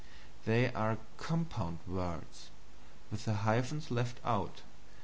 They are compound words with the hyphens left out.